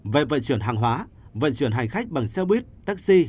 về vận chuyển hàng hóa vận chuyển hành khách bằng xe buýt taxi